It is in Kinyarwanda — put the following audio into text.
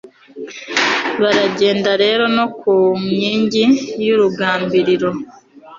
baragenda rero no ku nkingi y'urugambiriro